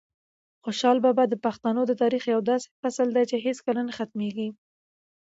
خوشحال بابا د پښتنو د تاریخ یو داسې فصل دی چې هیڅکله نه ختمېږي.